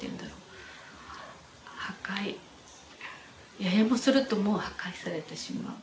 ややもするともう破壊されてしまう。